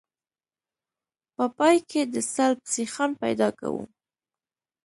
په پای کې د سلب سیخان پیدا کوو